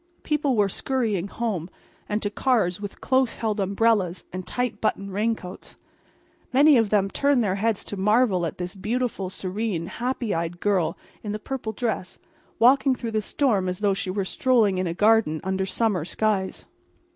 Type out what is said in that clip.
People were scurrying home and to cars with close held umbrellas and tight buttoned raincoats. Many of them turned their heads to marvel at this beautiful, serene, happy eyed girl in the purple dress walking through the storm as though she were strolling in a garden under summer skies.